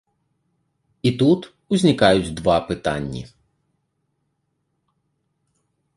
І тут узнікаюць два пытанні.